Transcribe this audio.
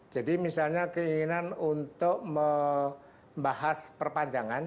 jadi misalnya keinginan untuk membahas perpanjangan